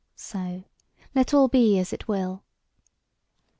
So let all be as it will.